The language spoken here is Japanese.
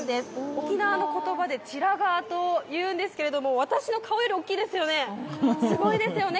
沖縄の言葉でチラガーというんですけれども私の顔より大きいですよね、すごいですよね。